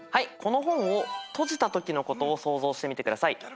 この本を閉じたときのことを想像してみてください。